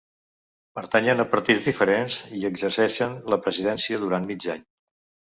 Pertanyen a partits diferents i exerceixen la presidència durant mig any.